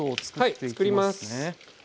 はいつくります。